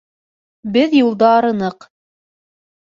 Беҙ юлда арыныҡ.